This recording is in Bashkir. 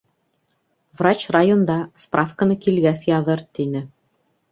Врач районда, справканы килгәс яҙыр, - тине.